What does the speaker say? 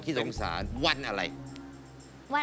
คุณฟังผมแป๊บนึงนะครับ